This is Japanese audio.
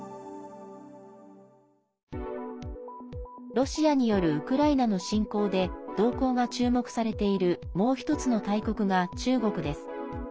ロシアによるウクライナの侵攻で動向が注目されているもう一つの大国が中国です。